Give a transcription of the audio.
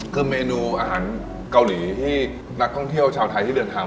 คือเมนูอาหารเกาหลีที่นักท่องเที่ยวชาวไทยที่เดินทาง